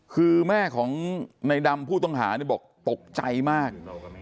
คือแม่ของในดำผู้ต้องหาบอกตกใจมาก